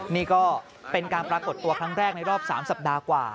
นี่ก็เป็นการปรากฏตัวครั้งแรกในรอบ๓สัปดาห์กว่า